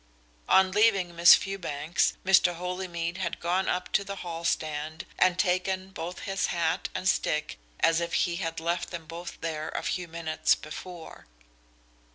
On leaving Miss Fewbanks Mr. Holymead had gone up to the hall stand and taken both his hat and stick as if he had left them both there a few minutes before.